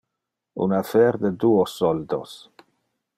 Un affaire de duo soldos.